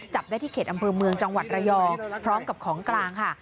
จับได้ที่เขตอำเภอเมืองจังหวัดระยองพร้อมกับของกลางค่ะ